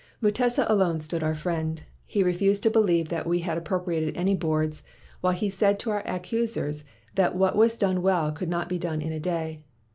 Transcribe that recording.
"Mutesa alone stood our friend. He re fused to believe that we had appropriated any boards, while he said to our accusers that what was done well could not be done in a day.